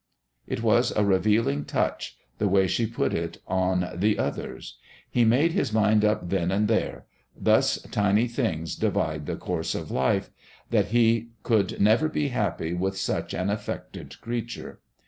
It was a revealing touch the way she put it on "the others." He made his mind up then and there thus tiny things divide the course of life that he could never be happy with such an "affected creature."